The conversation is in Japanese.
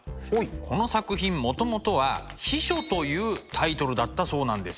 この作品もともとは「避暑」というタイトルだったそうなんです。